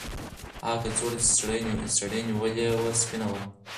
هغه کڅوړه چې سړي نیولې وه سپینه وه.